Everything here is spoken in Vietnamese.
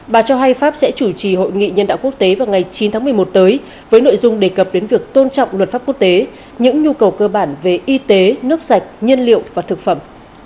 bà cho hay pháp sẽ chủ trì hội nghị nhân đạo quốc tế vào ngày chín tháng một mươi một tới với nội dung đề cập đến việc tôn trọng luật pháp quốc tế những nhu cầu cơ bản về y tế nước sạch nhân liệu và thực phẩm